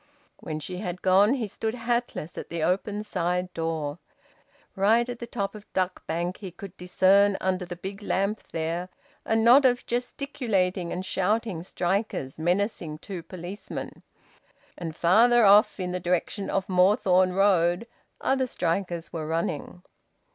When she had gone, he stood hatless at the open side door. Right at the top of Duck Bank, he could discern, under the big lamp there, a knot of gesticulating and shouting strikers, menacing two policemen; and farther off, in the direction of Moorthorne Road, other strikers were running.